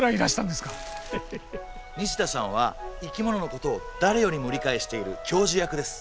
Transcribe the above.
西田さんは生き物のことを誰よりも理解している教授役です